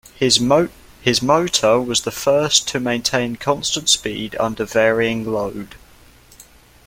His motor was the first to maintain constant speed under varying load.